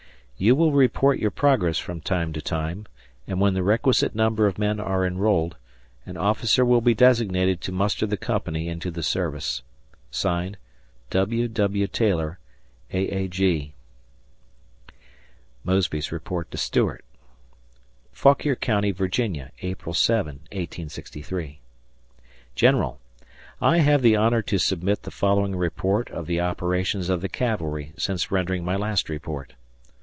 You will report your progress from time to time, and when the requisite number of men are enrolled, an officer will be designated to muster the company into the service. (Signed) W. W. Taylor, A. A. G. [Mosby's report to General Stuart] Fauquier County, Va., April 7, 1863. General: I have the honor to submit the following report of the operations of the cavalry since rendering my last report.